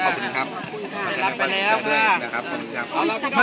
เขาก็ได้รับของเขาไปแล้ว